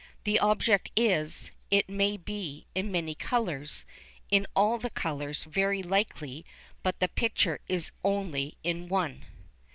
The object is, it may be, in many colours, in all the colours, very likely, but the picture is only in one.